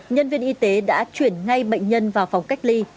nhân viên y tế đã chuyển ngay bệnh nhân vào phòng cách ly